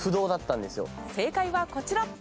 正解はこちら。